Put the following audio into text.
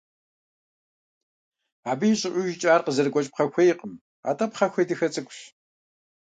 Абы и щӀыӀужкӀэ ар къызэрыгуэкӀ пхъэхуейкъым, атӀэ пхъэхуей дахэ цӀыкӀущ.